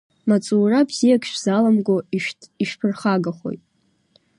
Маҵура бзиак шәзаламло ишәԥырхагахоит.